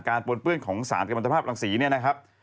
การปนเปื้อนของสารกรรมันตรภาพรังสีนะฮะ